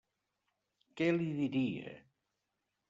Què li diria?